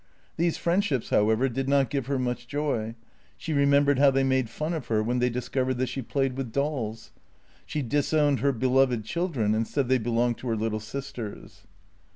These friendships, however, did not give her much joy. She remembered how they made fun of her when they discovered that she played with dolls. She disowned her beloved children and said they belonged to her little sisters.